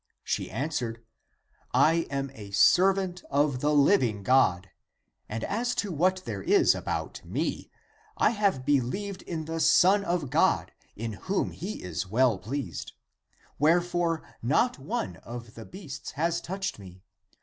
" She answered, " I am a servant of the living God ; and as to what there is about me, I have believed in the Son of God, in whom he is well pleased, wherefore not one of the beasts has touched me.